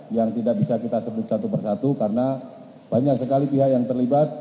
yang tidak bisa kita sebut satu persatu karena banyak sekali pihak yang terlibat